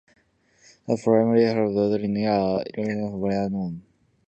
The primary herbal ingredients are listed where known.